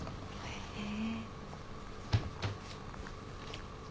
へえ。